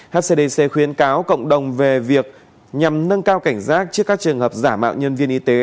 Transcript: hcdc khuyến cáo cộng đồng về việc nhằm nâng cao cảnh giác trước các trường hợp giả mạo nhân viên y tế